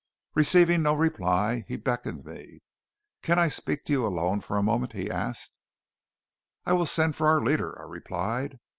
Receiving no reply, he beckoned me. "Can I speak to you alone a moment?" he asked. "I will send for our leader," I replied.